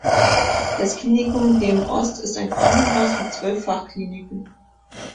Das Klinikum Bremen-Ost ist ein Krankenhaus mit zwölf Fachkliniken.